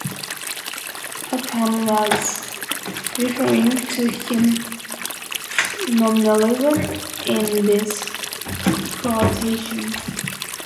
Occam was referring to his nominalism in this quotation.